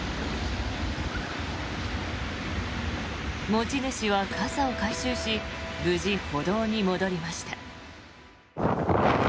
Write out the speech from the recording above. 持ち主は傘を回収し無事、歩道に戻りました。